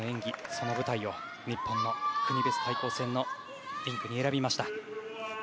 その舞台を日本の国別対抗戦のリンクに選びました。